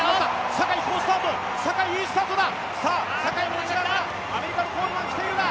坂井、好スタート、いいスタートだ。